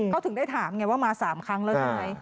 เขาถึงได้ถามไงว่ามา๓ครั้งแล้วใช่ไหม